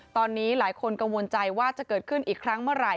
ตอนนี้หลายคนกังวลใจว่าจะเกิดขึ้นอีกครั้งเมื่อไหร่